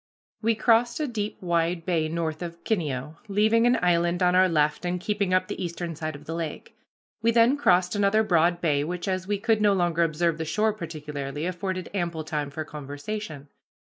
We crossed a deep wide bay north of Kineo, leaving an island on our left and keeping up the eastern side of the lake. We then crossed another broad bay, which, as we could no longer observe the shore particularly, afforded ample time for conversation.